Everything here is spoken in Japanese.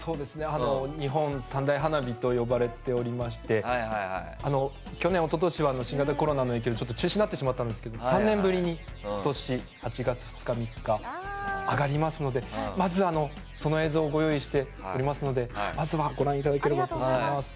日本三大花火と呼ばれておりまして去年、一昨年は新型コロナの影響で中止になってしまったんですが３年ぶりに今年８月２日と３日にあがりますのでまずは、その映像をご用意しておりますのでまずはご覧いただければと思います。